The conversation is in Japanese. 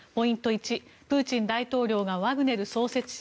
１プーチン大統領がワグネル創設者